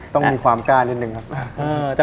ต้องมีความกล้านิดนึงครับ